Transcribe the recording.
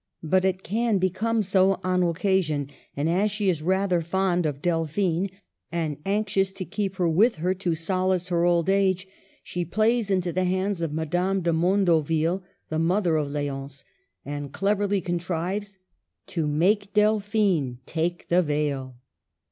But it can become so on occasion, and, as she is rather fond of Delphine and anxious to keep her with her to solace her old age, she plays into the hands of Madame de Mondoville (the mother of Ldonce) and cleverly contrives to make Delphine take the veil.